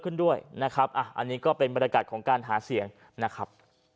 ขึ้นด้วยนะครับอ่ะอันนี้ก็เป็นบรรยากาศของการหาเสียงนะครับ